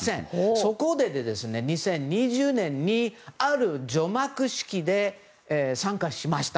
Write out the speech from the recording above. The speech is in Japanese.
そこで、２０２０年にある除幕式で参加しました。